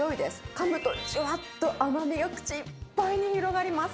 かむとじわっと甘みが口いっぱいに広がります。